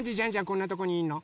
こんなとこにいんの？